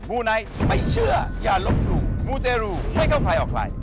มูไนท์ไม่เชื่ออย่าลบหลู่มูเตรูไม่เข้าใครออกใคร